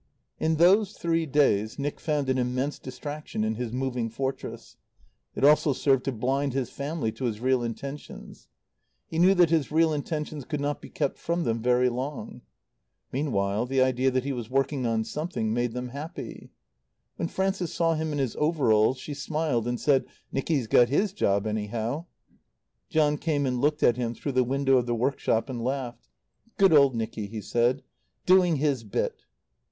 In those three days Nick found an immense distraction in his Moving Fortress. It also served to blind his family to his real intentions. He knew that his real intentions could not be kept from them very long. Meanwhile the idea that he was working on something made them happy. When Frances saw him in his overalls she smiled and said: "Nicky's got his job, anyhow." John came and looked at him through the window of the workshop and laughed. "Good old Nicky," he said. "Doing his bit!"